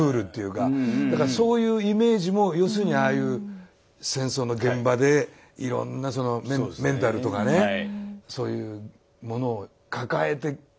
だからそういうイメージも要するにああいう戦争の現場でいろんなメンタルとかねそういうものを抱えてたんだなっていうのが。